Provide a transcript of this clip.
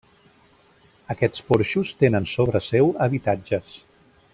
Aquests porxos tenen sobre seu habitatges.